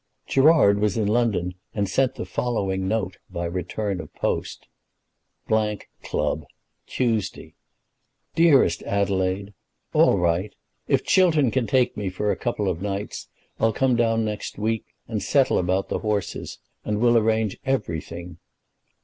Gerard was in London, and sent the following note by return of post: Club, Tuesday. DEAREST ADELAIDE, All right. If Chiltern can take me for a couple of nights, I'll come down next week, and settle about the horses, and will arrange everything.